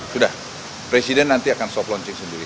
sudah presiden nanti akan soft launching sendiri